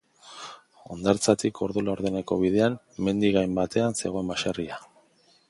Hondartzatik ordu laurdeneko bidean, mendi gain batean zegoen baserria.